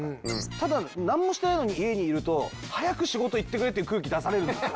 ただなんもしてないのに家にいると早く仕事行ってくれっていう空気出されるんですよ。